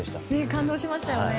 感動しましたよね。